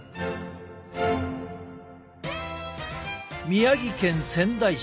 宮城県仙台市。